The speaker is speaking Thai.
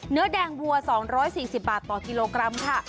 เนื้อแดงวัว๒๔๐บาทต่อกิโลกรัมค่ะ